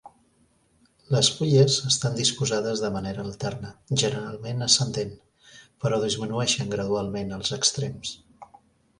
Les fulles estan disposades de manera alternada, generalment ascendent, però disminueixen gradualment als extrems.